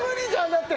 だって！